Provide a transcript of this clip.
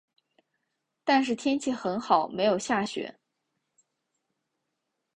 但是天气很好没有下雪